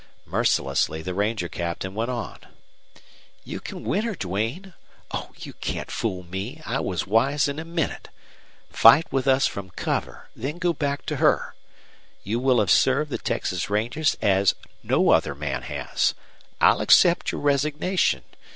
Mercilessly the ranger captain went on: "You can win her, Duane! Oh, you can't fool me. I was wise in a minute. Fight with us from cover then go back to her. You will have served the Texas Rangers as no other man has. I'll accept your resignation.